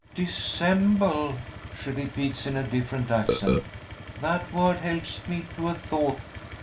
"Dissemble!" she repeats in a different accent. "That word helps me to a thought.